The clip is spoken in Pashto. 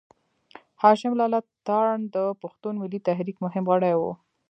هاشم لالا تارڼ د پښتون ملي تحريک مهم غړی و.